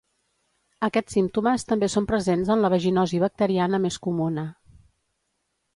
Aquests símptomes també són presents en la vaginosi bacteriana més comuna.